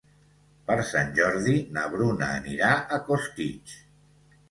Per Sant Jordi na Bruna anirà a Costitx.